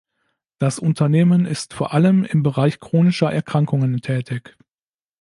Das Unternehmen ist vor allem im Bereich chronischer Erkrankungen tätig.